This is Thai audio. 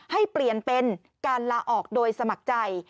ให้เปลี่ยนเป็นการลาออกโดยสมัครใจ